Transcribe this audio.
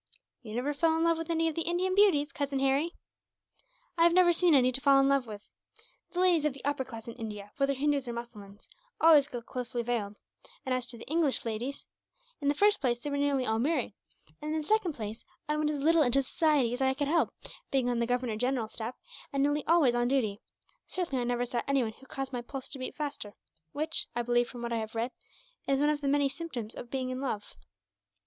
"You never fell in love with any of the Indian beauties, cousin Harry?" "I have never seen any to fall in love with. The ladies of the upper class in India, whether Hindus or Mussulmans, always go closely veiled; and as to the English ladies, in the first place they were nearly all married, and in the second place I went as little into society as I could help, being on the Governor General's staff, and nearly always away on duty. Certainly I never saw anyone who caused my pulse to beat faster; which I believe, from what I have read, is one of the many symptoms of being in love."